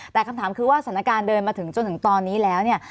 แต่คำถามคือว่าสถานการณ์เดินมาถึงจนถึงตอนนี้แล้วเนี่ย